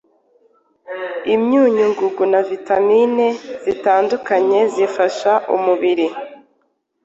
imyunyungugu na vitamini zitandukanye zifasha umubiri